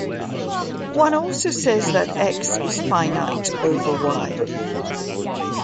One also says that "X" is finite over "Y".